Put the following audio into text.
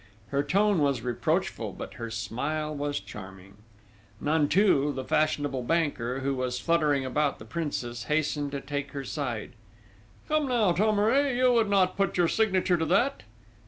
Her tone was reproachful, but her smile was charming. Nanteuil, the fashionable banker, who was fluttering about the Princess, hastened to take her side: "Come now, Thomery, you would not put your signature to that?"